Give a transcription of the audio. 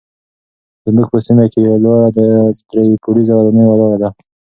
زموږ په سیمه کې یوه لوړه درې پوړیزه ودانۍ ولاړه ده.